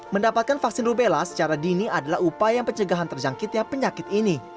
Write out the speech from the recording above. mendapatkan vaksin rubella secara dini adalah upaya pencegahan terjangkitnya penyakit ini